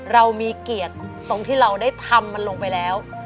เรามีเกียรติตรงที่เราได้ทำมันลงไปแล้ว